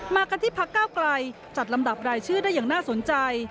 มากันที่พักเก้าไกลจัดลำดับรายชื่อได้อย่างน่าสนใจ